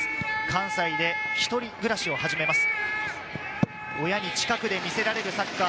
関西で一人暮らしを始めます。